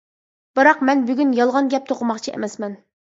بىراق، مەن بۈگۈن يالغان گەپ توقۇماقچى ئەمەسمەن.